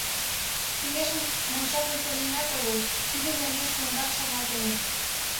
Кеҥежым монча пуйто лийынат огыл, тидын нерген шуэнрак шарналтеныт.